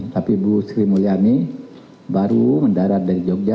tapi bu sri mulyani baru mendarat dari jogja